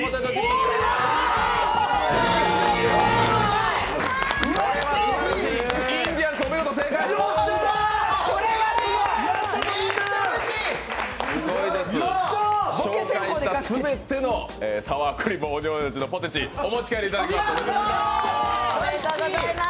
すごいです、紹介した全てのサワークリーム味のポテチお持ち帰りいただきます。